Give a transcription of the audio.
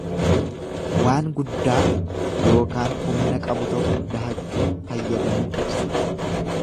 Waan guddaa yookaan humna qabu tokko dahachuun fayyadamuu ibsa.